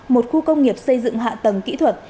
một khu công nghiệp xây dựng hạ tầng kỹ thuật